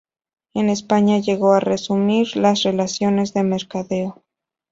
En España llegó a resumir las relaciones de mercadeo.